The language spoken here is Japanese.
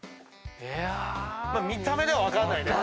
見た目では分かんないね。